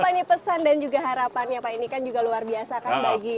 bapak ini pesan dan juga harapan ya pak ini kan juga luar biasa